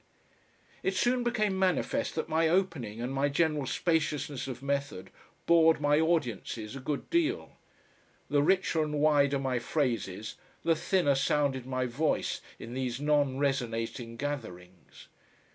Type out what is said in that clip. It soon became manifest that my opening and my general spaciousness of method bored my audiences a good deal. The richer and wider my phrases the thinner sounded my voice in these non resonating gatherings.